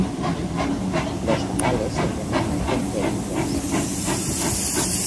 Los varales se rematan con perillas.